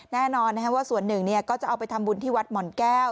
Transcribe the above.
แน่นอนว่าส่วนหนึ่งก็จะเอาไปทำบุญที่วัดหม่อนแก้ว